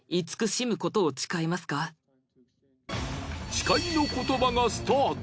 誓いの言葉がスタート。